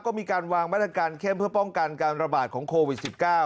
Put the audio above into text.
ก็มีการวางมาตรการเข้มเพื่อป้องกันการระบาดของโควิด๑๙